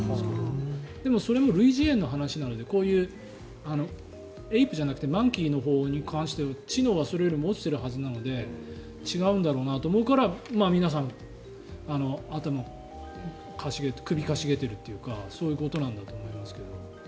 でも、それも類人猿の話なのでこういうエイプじゃなくてマンキーのほうに関して知能はそれよりも落ちてるはずなので違うんだろうなと皆さん、首を傾げているのはそういうことなんだと思いますけど。